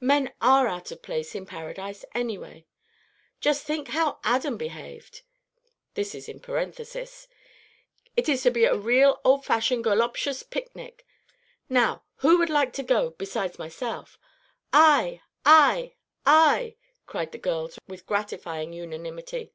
Men are out of place in Paradise anyway; just think how Adam behaved! (this in a parenthesis). It is to be a real old fashioned "goloptious" picnic. Now, who would like to go besides myself?" "I, I, I," cried the girls, with gratifying unanimity.